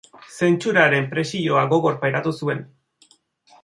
Zentsuraren presioa gogor pairatu zuen.